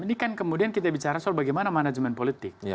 ini kan kemudian kita bicara soal bagaimana manajemen politik